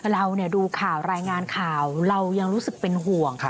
เราดูข่าวรายงานข่าวเรายังรู้สึกเป็นห่วง